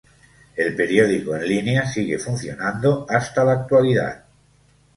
El periódico en línea sigue funcionando hasta la actualidad.